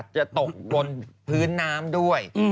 จะตกบนพื้นน้ำด้วย